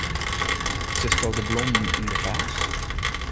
Setsto de blommen yn de faas?